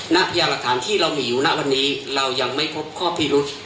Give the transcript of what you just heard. ในยารักษาที่เรามีอยู่ในหน้าวันนี้เรายังไม่พบข้อผิดลท